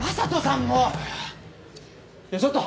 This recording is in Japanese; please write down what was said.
いやちょっと。